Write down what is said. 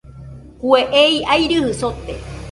Kue ei airɨjɨ sote.